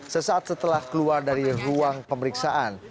sesaat setelah keluar dari ruang pemeriksaan